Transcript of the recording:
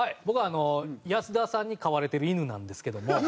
僕は安田さんに飼われてる犬なんですけども。